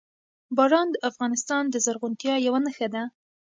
باران د افغانستان د زرغونتیا یوه نښه ده.